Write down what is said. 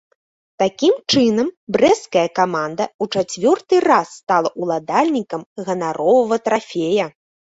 Такім чынам, брэсцкая каманда ў чацвёрты раз стала ўладальнікам ганаровага трафея.